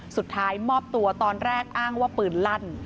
สุดท้ายมอบตัวตอนแรกอ้างว่าปืนลั่น